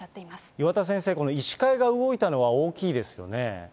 岩田先生、この医師会が動いたのは大きいですよね。